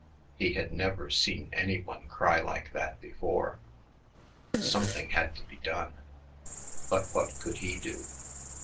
He had never seen any one cry like that before. Something had to be done. But what could he do?